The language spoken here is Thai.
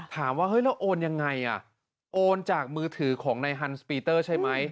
เฮ้ยแล้วโอนยังไงอ่ะโอนจากมือถือของนายฮันสปีเตอร์ใช่ไหม